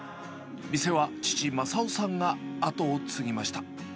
店は父、正夫さんが跡を継ぎました。